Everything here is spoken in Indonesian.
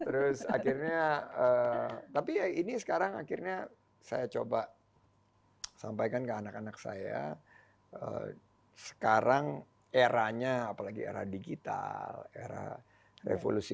terus akhirnya tapi ya ini sekarang akhirnya saya coba sampaikan ke anak anak saya sekarang eranya apalagi era digital era revolusi